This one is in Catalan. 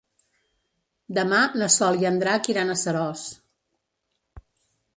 Demà na Sol i en Drac iran a Seròs.